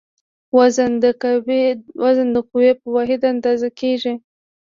وزن د قوې په واحد اندازه کېږي.